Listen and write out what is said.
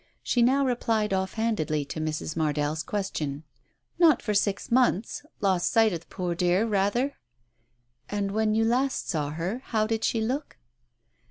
She now replied offhandedly to Mrs. Mardell 's question — "Not for six months. Lost sight of the poor dear, rather." " And when you last saw her, how did she look